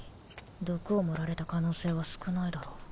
毒を盛られた可能性は少ないだろう。